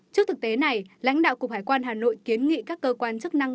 trước thực tế này lãnh đạo cục hải quan hà nội kiến nghị các cơ quan chức năng